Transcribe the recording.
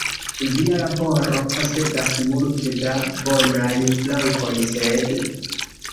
Via laboro posedas multe da bonaj flankoj, sed.